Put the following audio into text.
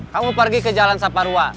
kamu pergi ke jalan saparua